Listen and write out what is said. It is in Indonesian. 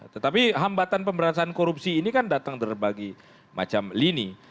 tetapi hambatan pemberantasan korupsi ini kan datang dari berbagai macam lini